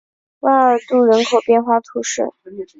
巴尔杜人口变化图示